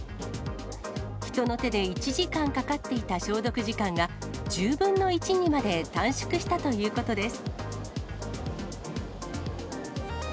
人の手で１時間かかっていた消毒時間が、１０分の１にまで短縮したということです。